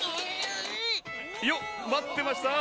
・よっ待ってました！